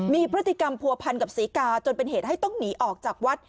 มีพฤติกรรมผัวพันกับศรีกาจนเป็นเหตุให้ต้องหนีออกจากวัด